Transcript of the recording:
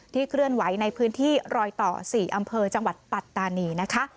เคลื่อนไหวในพื้นที่รอยต่อ๔อำเภอจังหวัดปัตตานีนะคะ